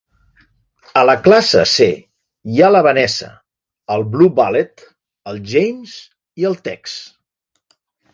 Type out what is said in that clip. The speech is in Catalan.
A la classe C hi ha la Vanessa, el Blue Bullet, el James i el Tex.